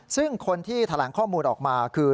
ซึ่งคนที่แถลงข้อมูลออกมาคือ